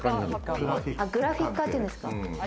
グラフィッカーっていうんですか。